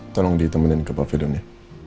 tolong ditemani ke pavilion ya